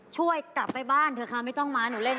ช่วยกลับไปบ้านเถอะค่ะไม่ต้องมาหนูเล่น